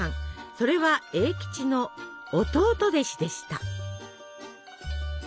それは栄吉の弟弟子でした。